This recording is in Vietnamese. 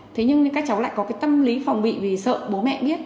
thế nhưng các cháu lại có cái tâm lý phòng bị vì sợ bố mẹ biết